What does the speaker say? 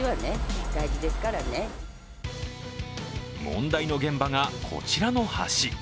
問題の現場がこちらの橋。